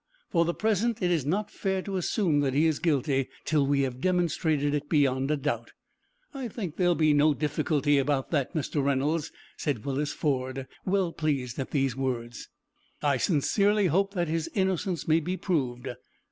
"For the present. It is not fair to assume that he is guilty till we have demonstrated it beyond a doubt." "I think there will be no difficulty about that, Mr. Reynolds," said Willis Ford, well pleased at these words. "I sincerely hope that his innocence may be proved."